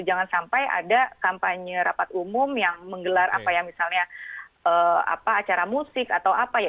jangan sampai ada kampanye rapat umum yang menggelar apa ya misalnya acara musik atau apa ya